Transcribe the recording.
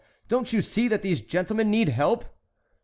Don't you see that these gentlemen need help?"